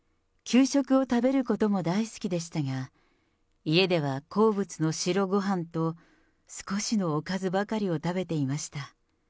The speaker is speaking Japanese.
給食を食べることも大好きでしたが、家では好物の白ごはんと、少しのおかずばかりを食べていました。